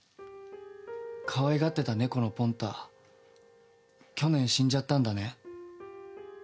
かわいがってた猫のポンタ去年死んじゃったんだね。